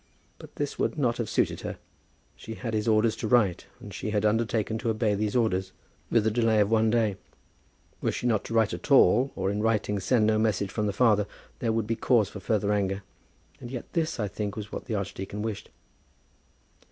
But this would not have suited her. She had his orders to write, and she had undertaken to obey these orders, with the delay of one day. Were she not to write at all, or in writing to send no message from the father, there would be cause for further anger. And yet this, I think, was what the archdeacon wished.